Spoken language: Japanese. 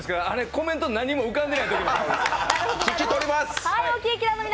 コメントなんも浮かんでないときの顔。